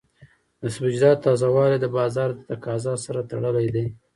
د سبزیجاتو تازه والی د بازار د تقاضا سره تړلی دی.